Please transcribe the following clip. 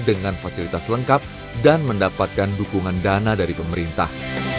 dengan fasilitas lengkap dan mendapatkan dukungan dana dari pemerintah